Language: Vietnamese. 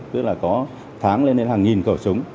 tức là có tháng lên đến hàng nghìn khẩu súng